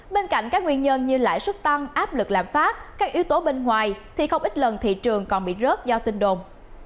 bên cạnh các nguyên nhân như lãi suất tăng áp lực lạm phát các yếu tố bên ngoài thì không ít lần thị trường còn bị rớt do tin đồn